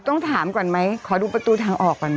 ต้องถามก่อนไหมขอดูประตูทางออกก่อนไหม